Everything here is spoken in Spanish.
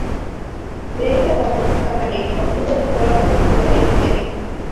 De esta forma, Zamalek obtuvo su cuarto título en este evento.